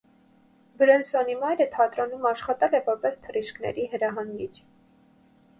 Բրենսոնի մայրը թատրոնում աշխատել է որպես թռիչքների հրահանգիչ։